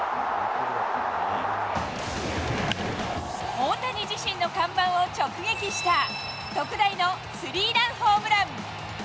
大谷自身の看板を直撃した、特大のスリーランホームラン。